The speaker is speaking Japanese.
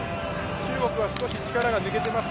中国は少し力が抜けています。